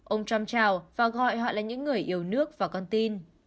ông trump trào và gọi họ là những người yêu nước và con tin